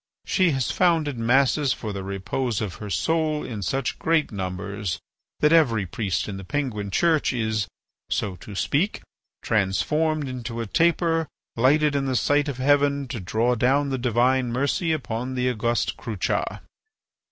She has founded masses for the repose of her soul in such great numbers that every priest in the Penguin Church is, so to speak, transformed into a taper lighted in the sight of heaven to draw down the divine mercy upon the august Crucha."